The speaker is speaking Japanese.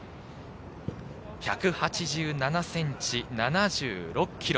１８７ｃｍ、７６ｋｇ。